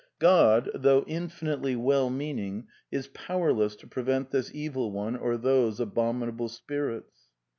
God, though infinitely well meaning, is power less to prevent this Evil One or those abominable spirits.